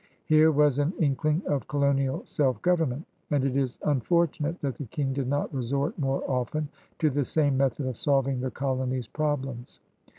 Here was an inkling of colonial self government, and it is unf ortimate that the King did not resort more often to the same method of solving the colony's problems.